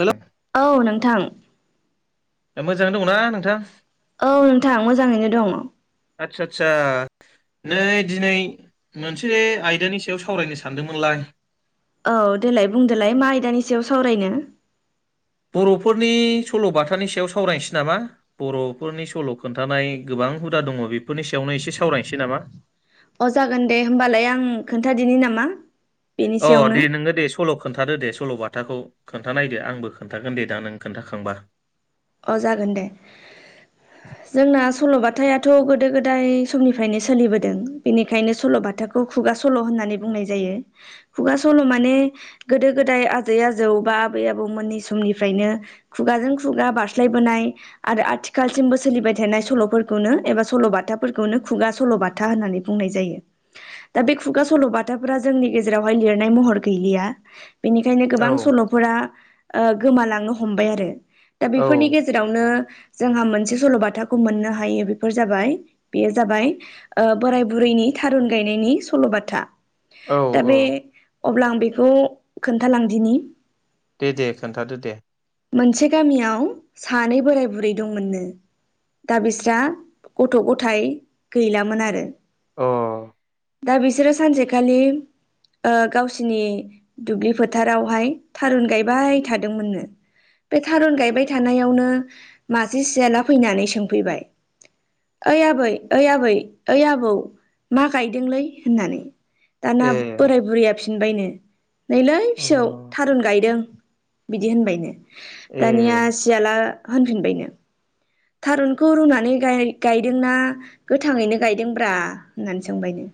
हेल' औ नोंथां मोजाङै दंना नोंथां औ नोंथां मोजाङैनो दङ आतसा आतसा नै दिनै मोनसे आयदानि सायाव सावरायनो सानदोंमोनलाय औ देलाय बुंदोलाय मा आयदानि सायाव सावरायनो बरफोरनि सलबाथानि सायाव सावरायनोसै नामा बरफोरनि सल खोन्थानाय गो- बां हुदा दङ बेफोरनि सायावनो एसे सावरायनोसै नामा अ जागोन दे होमबालाय आं खोन्थादिनि नामा बेनि अ सायावनो दे नोङो दे सल खोनथादो दे सलबाथाखो खोन्थानायदो आंबो खोन्थागोन दे दा नों खोन्थाखांबा अ जागोन दे जोंना सलबाथाथ गोदो गोदाय समनिफ्रायनो सोलिबोदों बेनिखायनो सलबाथा खोथाखौ खुगा सल' होननानै बुंनाय जायो खुगा सल' माने गोदो गोदाय आजै आजौ आबै आबौमोननि समनिफ्रायनो खुगाजों खुगा बार स्लायबोनाय आरो आथिखालसिमबो सोलिबाय थानाय सल'फोरखौनो एबा सल'बाथाफोरखौनो खुगा सल' सल'बाथा होननानै बुंनाय जायो दा बे खुगा सल' बाथाफोरा जोंनि गेजेरावहाय लिरनाय महर गैलिया बेनिखायनो गोबां औ सल'फोरा गोमालांनो हमबाय आरो औ फोरनि गेजेरावनो जोंहा मोनसे सल'बाथाखौ मोननो हायो बेफोर जाबाय बेयो जाबाय बोराय बुरैनि थारुन गायनायनि सल'बाथा औ दा बे औ अब्ला आं बेखौ खोन्थालांदिनि दे दे खोन्थादो दे मोनसे गामियाव सानै बोराय बुरै दंमोननो दा बिस्रा गथ' गथाय गैलामोन आरो अ दा बिसोरो सानसेखालि ओ गावसिनि दुब्लि फोथारावहाय थारुन गायबाय थादोंमोननो बे थारुन गायबाय थानायावनो मासे सियाला फैनानै सोंफैबाय ओइ आबै-ओइ आबै ओइ आबौ मा गायदोंलै होननानै दाना ए बोराय बुरैया फि बुंबायनो नैलै अ फिसौ थारुन गायदों बिदि होनबायनो ए दानिया सियाला होनफिनबायनो थारुनखौ रुनानै गाय गायदोंना गोथाङैनो गायदोंब्रा होननानै सोंबायनो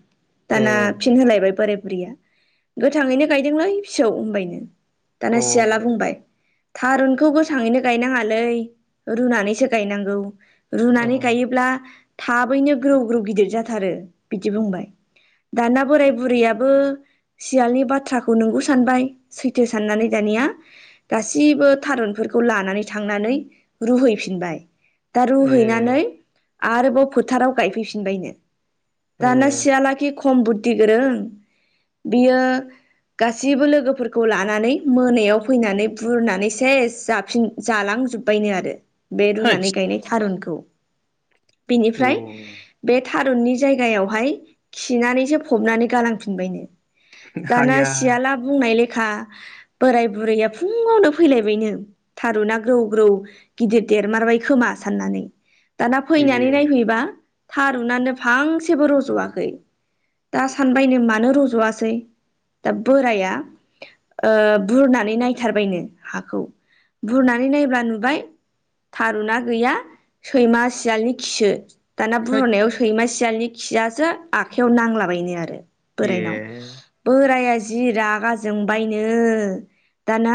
ए दाना फिन होलायबाय बोराय बुरिया गोथाङैनो गायदोंलै फिसौ होनबायनो अ दाना सियाला बुंबाय थारुनखौ गोथाङैनो गायनाङालै रुनानैसो गायनांगौ अ रुनानै गायोब्ला थाबैनो ग्रौ-ग्रौ गिदिर जाथारो बिदि बुं बाय दाना बोराय बुरैयाबो सियालनि बाथ्राखौ नोंगौ सानबाय सैथो साननानै दानिया गासिबो थारुन खौ लानानै थांनानै रुहैफिनबाय दा ए रुहैनानै आरोबाव फोथाराव गायफैफिनबायनो दाना ए सियालाखि खम बुद्धि गोरों बियो गासैबो लोगोफोरखौ लानानै मोनायाव फैनानै बुरनानै सेस जाफिन जालां जोबबाय नो आरो बे रुनानै गायनाय थारुनखौ बेनिफ्राय बे थारुननि जायगायावहाय खिनानैसो फबनानै गालांफिनबायनो दाना सियाला बुंनायले खा बोराय बुरैया फुङावनो फैलायबायनो थारुना ग्रौ-ग्रौ गिदिर देर मारबाय खोमा साननानै दाना फैनानै नायफैबा थारुनानो फांसेबो रज'वाखै दा सानबायनो मानो रज'वासै दा बोराया ओ बुरनानै नायथारबायनो हाखौ बुरनानै नायब्ला नुबाय थारुना गैया सैमा सियालनि खिसो दाना बुरनायाव सैमा सिया लनि खियासो आखाइयाव नांलाबायनो आरो बोरायनाव बोराया जि रागा जोंबायनो दाना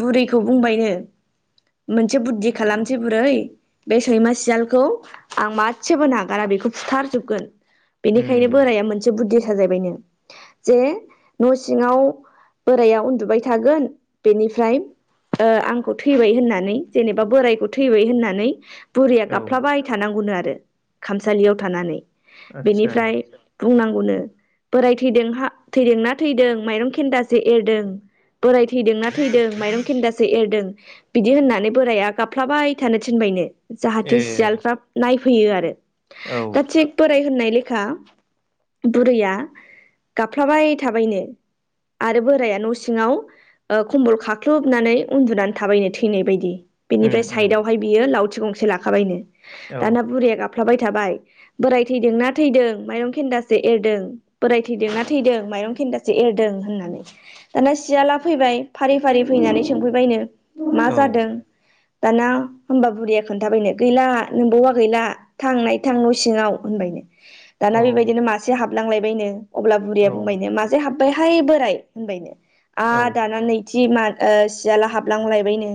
बुरैखौ बुंबायनो मोनसे बुद्धि खालामसै बुरै बे सैमा सियालखौ आं मासेबो नागारा बेखौ फुथारजोबगोन बेनिखायनो बोराया मोनसे बुद्धि साजायबायनो जे न' सिङाव बोराया उन्दुबाय थागोन बेनिफ्राय ओ आंखौ थैबाय होननानै जेने बा बोरायखौ थैबाय होननानै बुरैया गाबफ्लाबाय थानांगौनो आरो खामसालियाव थानानै बेनिफ्राय बुंनांगौनो बोराय थैदोंहा थैदोंना थैदों माइरं खेन्दासो एरदों बोराय थैदोंना थैदों माइरं खेन्दासे एरदों बिदि होननानै बोराइआ गाबफ्लाबाय थानो थिनबायनो जाहाथे सियालफ्रा नायफैयो आरो दा थिग बोराय होननाय लेखा बुरैया गाबफ्लाबाय थाबायनो आरो बोराया न' सिङाव खम्बल खाख्लुबनानै उन्दुनानै थाबायनो थैनाय बायदि बेनिफ्राय साइदावहाय बियो लावथि गंसे लाखाबायनो दाना बुरैया गाब फ्लाबाय थाबाय बोराय थैदोंना थैदों माइरं खेन्दासे एरदों बोराय थैदोंना थैदों माइरं खेन्दासे एरदों होननानै दाना सियाला फैबाय फारि फारि फैनानै सोंफैबायनो मा जादों दाना होमबा बुरिया खोनथाबायनो गैला नोंबौवा गैला थां नायथां न' सिङाव होनबायनो दाना बेबायदिनो मासे हाबलांलायबायनो अब्ला बुरैया बुंबायनो मासे हाब बाय हाय बोराय होनबायनो आ दाना नै जि मान ओ सियाला हाबलां लायबायनो।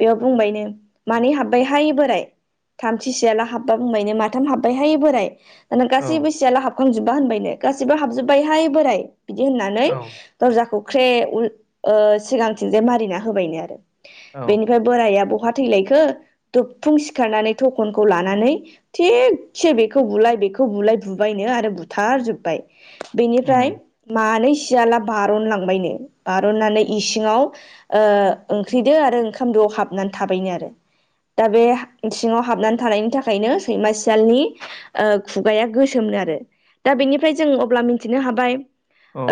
बेयाव बुंबायनो मानै हाबबायहाय बोराय थामथि सियाला हाबबा बुंबायनो माथाम हाब्बाय हाय बोराय दाना गासैबो सियाला हाबखांजोब्बा होनबायनो गासैबो हाबजोब्बायहाय बोराय। बिदि होननानै दरजाखौ ख्रे उन ओ सिगांथिं जाय मारिना होबायनो आरो औ राया बहा थैलायखो दुफुं सिखारनानै थखनखौ लानानै थिगसे बेखौ बुलाय बेखौ बुलाय बुबायनो आरो बुथारब्जोबाय बेनिफ्राय मानै सि सियाला बारनलांबायनो बारननानै इसिङाव ओ ओंख्रि दो आरो ओंख खाम दोआव हाबनानै थाबायनो आरो दा बे हा इसिङाव हाबनानै थानायनि थाखायनो सैमा सियालनि ओ खुगाया गोसोम दो आरो दा बेनिफ्राय जों अब्ला मिथिनो हाबाय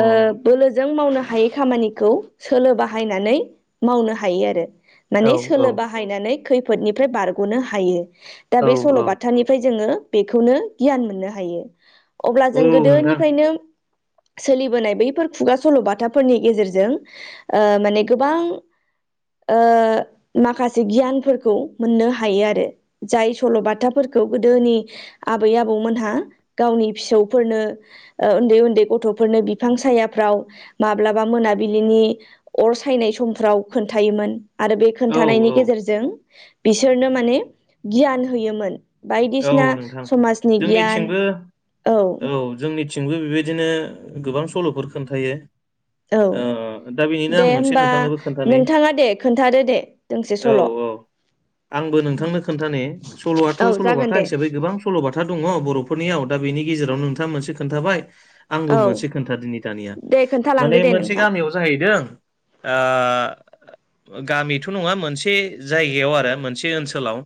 ओ बोलोजों मावनो हायै खामानिखौ सोलो बाहायनानै मावनो हायो आरो माने सोलो बाहायनानै खैफोदनिफ्राय बारग'नो हायो दा बे सल'बाथानिफ्राय जोङो बेखौनो गियान मोननो हायो अब्ला जों नोंथां. गोदोनिफ्रायनो सोलिबोनाय बैफोर खुगा सल'बाथाफोरनि गेजेरजों ओ माने गोबां ओ माखासे गियानफोरखौ मोननो हायो आरो जाय सल'बाथाफोरखौ गोदोनि आबै आबौमोनहा गावनि फिसौफोरनो ओ उन्दै उन्दै गथ'फोरनो बिफां साया फ्राव माब्लाबा मोनाबिलिनि अर सायनाय समफ्राव खोन्थायोमोन आरो बे औ, खोन्थानायनि औ. गेजेरजों बिसोरनो माने गियान होयोमोन। बायदिसिना औ, नोंथां. समाजनि गियान जोंनिथिंबो औ थिंबो बेबायदिनो गोबां सल'फोर खोन्थायो। औ ओ दा बेनिनो आं दे मोनसे होमबा नोंथांनोबो खोन्थानि नोंथाङा दे खोन्थादो दे दोंसे औ सल' अ आंबो नोंथांनो खोन्थानि सल'आथ' औ सल' बाथ जागोन था दे हिसाबै गोबां सल'बाथा दङ बर'फोरनियाव दा बेनि गेजेरावनो नोंथां मोनसे खोन्थाबाय आंबो औ मोनसे खोन्थादिनि दानिया दे माने खोन्थालांदो दे मोनसे नोंथां गामियाव जाहैदों आ ओ गामिथ' नङा मोनसे जायगायाव आरो मोनसे ओनसोलाव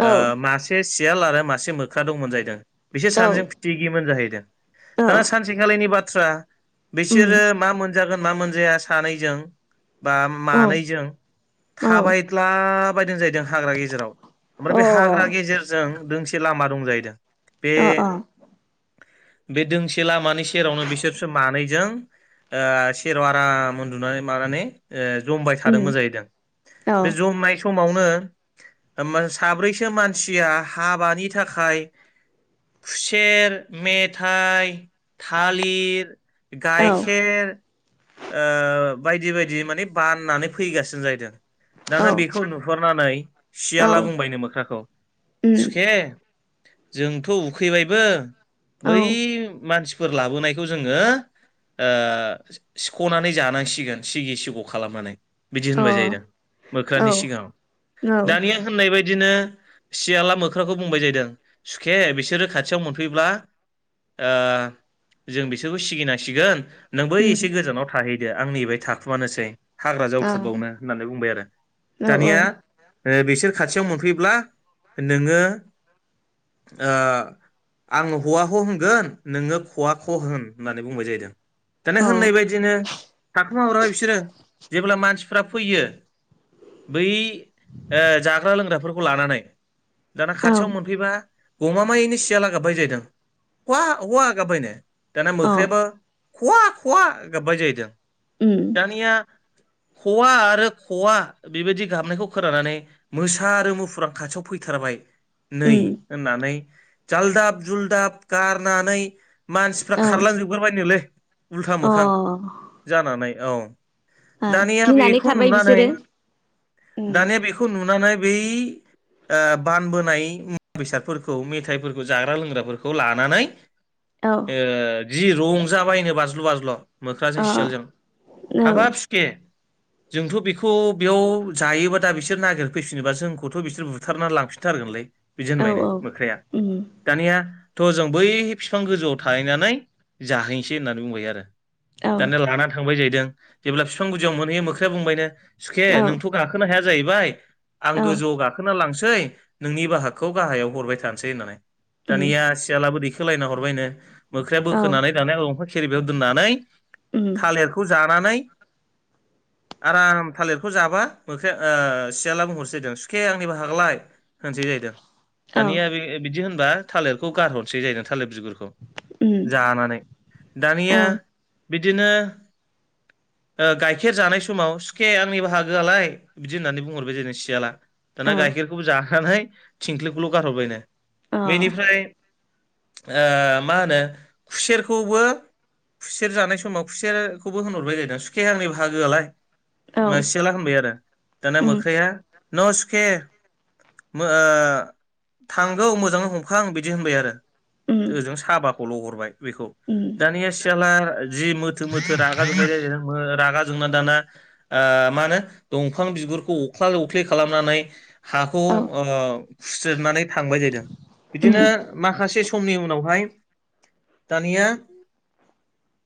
औ ओ मासे सि सियाल आरो मासे मोख्रा दंमोन जायैदों। बिसोर औ सानैजों फिथिगिमोन जाहैदों औ दाना सानसेखालिनि बाथ्रा उम बिसोरो मा मोनजागोन मा मोनजाया सानैजों बा औ मानैजों औ थाबायदला बायदों जायैद दों हाग्रा गेजेराव ओमफ्राय बे हाग्रा गेजेरजों दोंसे लामा दं जाहैदों। बेे अ अ बे दोंसे लामानि सेरावनो बिसोरसो मानैजों ओ सेराव आराम उन्दुनानै मानानै ओ जमबाय उम थादोंमोन जाहैदों औ बे जमनाय सम समावनो ओम साब्रैसो मानसिया हाबानि थाखाय खुसेर मेथाइ थालिर औ गाइखेर ओ बायदि बायदि माने बाननानै फैगासिनो जाहैदों। औ दाना बेखौ नुहरनानै औ सियाला बुंबायनो मोख्राखौ उम सुखे जोंथ' उखैबायबो औ बै मानसि फोर लाबोनायखौ जोङो ओ सिख सिख'नानै जानांसिगोन सिगि सिग' खालामनानै बिदि अ होनबाय जाहैदों औ उम औ अ मोख्रानि औ सिगाङाव दानिया होननाय बायद दिनो सियाला मोख्राखौ बुंबाय जाहैदों सुखे बिसोरो खाथियाव मोनफैब्ला ओ जों बिसोरखौ सिगिनांसिगोन। नोंबो एसे गोजानाव थाहैदो आं नेबाय थाखुमानोसै। हाग्रा जावथुबावनो होननानै बुंबाय आरो दानिया ओ बिसोर खाथियाव मोनफैब्ला नोङो ओ आङो हआ ह' होनगोन नोङो खआ ख' होन होननानै बुंबाय जाहैदों। दाना होननाय बायदिनो थाखोमा मारबाय बिसोरो जेब्ला मानसि फ्रा फैयो बै ओ जाग्रा लोंग्राफोरखौ लानानै दाना खाथियाव मोनफैबा गमामायैनो सियाला गाबबाय जाहैदों हवा हवा गाबबायनो। दानिया अ मोख्रायाबो खवा खवा गाबबाय जाहैदों। उम दानिया हवा आरो खवा बेबायदि गाबनायखौ खोनानानै मोसा आरो मुफुरा खाथियाव फैथारबाय नै उम होननानै जाल्दाब जुलदाब गारनानै मानसिफ्रा औ खारलांजोबगारबाय नोलै उल्था मोखां अ जानानै औ। आ दानिया गिनानै बेखौ खारबाय नुनानै बिसोरो उम दानिया बेखौ नुनानै बेै ओ बानबोनाय मुवा बेसादफोरखौ मेथाइफोरखौ जाग्रा लोंग्राफोरखौ लानानै औ ओ जि रंजााबायनो बाज्ल' बाज्ल' मोख्राजों अ सियालजों औ हाबाब सुखे जोंथ' बेखौ बेयाव जायोबा दा बिसोर नागिरफैफिनोबा जोंखौथ' बिसोर बु थारना लांफिनथारगोनलै बिदि औ होनबायनो औ मोख्राया, उम दानिया थ' जों बै बिफां गोजौआव थाहैनानै जाहैनोसै होननानै बुंबाय आरो। औ दानिया लानानै थांबाय जाहैदों जेब्ला बिफां गुदियाव मोनहैयो मोख्राया बुंबायनो सुखे औ नोंथ' गाखोनो हाया जाहैबाय आं औ गोजौआव गाखो लांसै नोंनि बाहागखौ गाहायाव हरबाय थानोसै होननानै। उम दानिया सियालाबो थिखोलायना हरबायनो मोख्राया औ बोखोनानै दानिया दंफां खेरिबायाव दोननानै उम थालिरखौ जानानै आराम थालिरखौ जाबा मोख्राया ओ सियाला बुंहरसै नो सुखे आं नि बाहागोआलाय होनसै जाहैदों। औ दानिया बे बिदि होनबा थालिरखौ गारहरनोसै जाहैदों थालिर बिगुरखौ उम जानानै। औ दानिया बिदिनो ओ गाइखेर जानाय समाव सुखे आंनि बाहागोआलाय बिदि होननानै बुंहरबाय जाहैदों सियाला दाना औ गाइखेरखौबो जाखांनानै थिंख्लिखौल' गारहरबायनो। अ बेनिफ्राय ओ मा होनो खुसेरखौबो खुसेर जानाय समाव खुसेरखौबो होनहरबाय जाहैदों सुखे आंनि बाहागोआलाय? औ मा सियाला होनबाय आरो दाना उम मोख्राया नो सुखे मो ओ थांगौ मोजाङै हमखां बिदि होनबाय आरो। उम ओजों साबाखौल' हरबाय बेखौ। उम दानिया सियाला जि मोथो मोथो रागा जोंबाय दोमो रागा जोंना दाना ओ मानो दंफां बिगुरखौ अख्ला अख्लि खालामनानै हाखौ औ ओ खुस्रोदनानै थांबाय जाहैदों बिदिनो उम माखासे समनि उनावहाय दानिया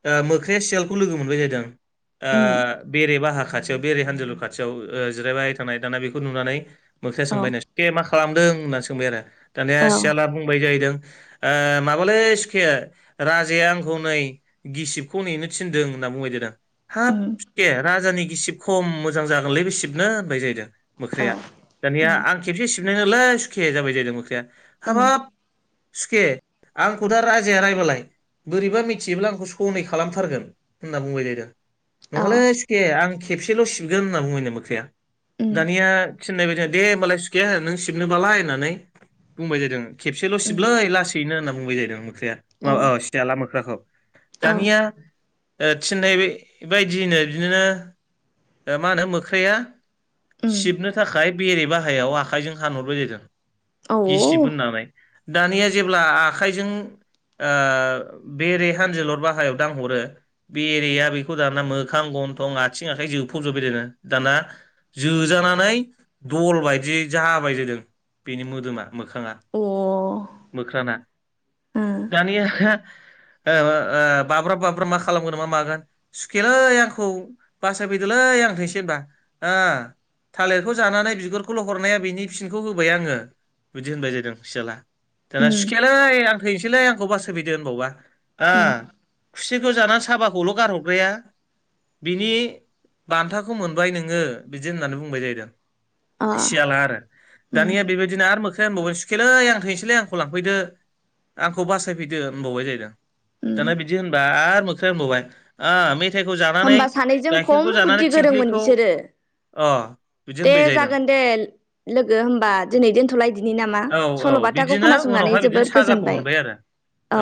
ओ मोख्राया सियालखौ लोगो मोनबाय जाहैदों। ओ उम बेरे बाहा खाथियाव बेरे हानदिलुर खाथियाव जिरायबाय थानाय, दाना बेखौ नुनानै मोख्राया औ सोंबायनो सुखे मा खालामदों होनना सोंबाय आरो, दानिया औ सियाला बुंबाय जाहैदों ओ माबालै सुखे राजाया आंखौ नै गिसिबखौ नेनो थिनदों होन्नानै बुंबाय जाहैदों हाब उम सुखे राजानि गिसिब खम मोजां जागोनलै बे सिबनो होनबाय जाहैदों औ मोख्राया। दानिया उम आं खेबसे सिबनाय नोलै सुखे जाबाय जाहैदों मोख्राया उम हाबाब सुखे आंखौ दा राजाया रायबालाय बोरैबा मिथियोब्ला आंखौ सनै खालामथारगोन होनना बुंबाय जाहैदों। अ नङालै सुखे आं खेबसेल' सिबगोन होनना बुंबायनो मोख्राया उम दानिया थिननायबाय दे होमबालाय सुखे नों सिबनोबालाय होननानै बुंबाय जादों खेबसेल' उम सिबलै लासै नो होनना बुंबाय जाहैदों मोख्रया माबा औ सियाला मोख्राखौ। औ दानिया थिनथनाय बायदियैनो बिदिनो मा होनो मोख्रैया। उम औ अ सिबनो थाखाय बेरे बाहायाव आखाइजों हानहरबाय जादों। गिस्ब ओ होननानै दानिया जेब्ला आखाइजों। बेरे हानजोलर बाहायाव दांहरो बेरिया बेखौ दाना मोखां गनथं। थं आथिं आखाइ जोबफबजोबबाय दो दाना जोजानानै। दल बायदियै जाबाय जादों बेनि मोदोमा। मोखाङा उम मोख्राना दानिया। बाब्राब बाब्राब मा खालामगोन मा मागोन सुखेलै आंखौ बासायफैदोलै। नोसै हबा थालिर। खौ जानानै बिगुरखौल' हरनाया बिनि फिनखौ होबाय आङो बिदि होनबाय जादों सियाला।। दाना सुखियाालै उम आं थैनोसैलै आंखौ बास होफैदो होनबावबा। सिखौ जानानै साबाखौल' गारहरग्राया। बिनि बान्थाखौ मोनबाय नोङो बिदि होननानै बुंबाय जाहैदों। अ सियाला आरो उम दानिया बेबायदिनो आरो मोखां। आसा होनबावबाय सुखोलै आं थांनोसैलै आंखौ लांफैदो आंखौ बासायफैदो होनबावबाय जाहैदों। दाना उम बिदि होनबा आरो मोख्रै होनबावबाय। फिथाइखौ जानानै होमबा सानैजों खम गाइखेरखौ जानानै बुद्धि गोरोंमोन थिंख्लिखौ बिसोरो अ। बिदि दे होनबाय जाहैदों जागोन दे लोगो होमबा दिनै दोनथ'लायदिनै। नामा औ औ सल'बाथाखौ बिदिनो खोनासंनानै उनावहाय बिदिनो जोबोद साजाखौ गोजोनबाय। मोनबाय आरो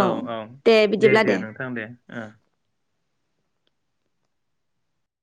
औ औ दे दे नोंथां दे।